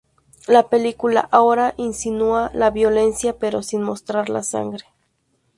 La película ahora insinúa la violencia, pero sin mostrar la sangre.